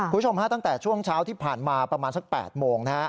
คุณผู้ชมฮะตั้งแต่ช่วงเช้าที่ผ่านมาประมาณสัก๘โมงนะฮะ